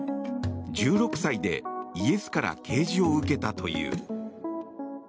１６歳でイエスから啓示を受けたという。